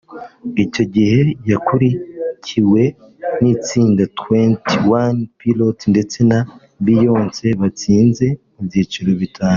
Icyo gihe yakurikiwe n’itsinda Twenty One Pilots ndetse na Beyoncé batsinze mu byiciro bitanu